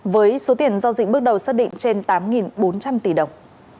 với số tiền giao dịch bước đầu xác định trên tám bốn trăm linh tỷ đồng